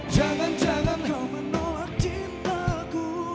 jangan jangan kau menolak cintaku